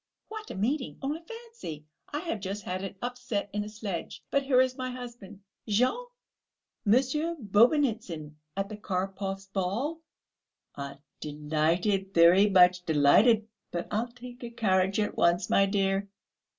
What a meeting! Only fancy, I have just had an upset in a sledge ... but here is my husband! Jean! Monsieur Bobynitsyn, at the Karpovs' ball...." "Ah, delighted, very much delighted!... But I'll take a carriage at once, my dear."